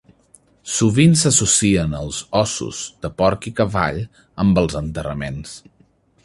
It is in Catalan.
Sovint s'associen els ossos de porc i cavall amb els enterraments.